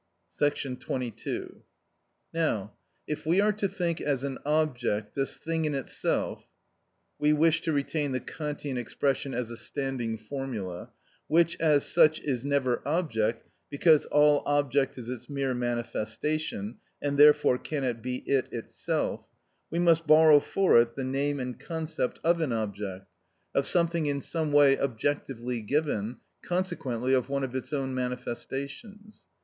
§ 22. Now, if we are to think as an object this thing in itself (we wish to retain the Kantian expression as a standing formula), which, as such, is never object, because all object is its mere manifestation, and therefore cannot be it itself, we must borrow for it the name and concept of an object, of something in some way objectively given, consequently of one of its own manifestations.